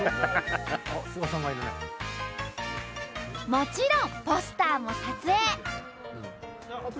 もちろんポスターも撮影！